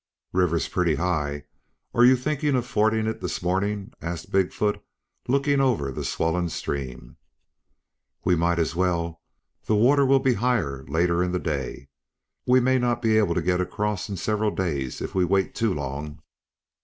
"River's pretty high. Are you thinking of fording it this morning?" asked Big foot, looking over the swollen stream. "We might as well. The water will be higher later in the day. We may not be able to get across in several days if we wait too long."